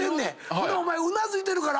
ほんならお前うなずいてるから。